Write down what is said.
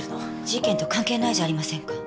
事件と関係ないじゃありませんか。